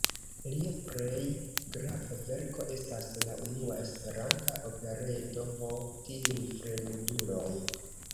Lia plej grava verko estas la unua Esperanta opereto "Ho, tiuj fremduloj!